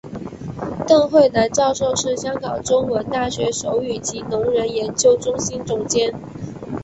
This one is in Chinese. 邓慧兰教授是香港中文大学手语及聋人研究中心总监。